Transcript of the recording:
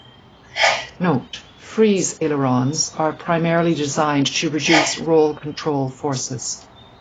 Note: Frise ailerons are primarily designed to reduce roll control forces.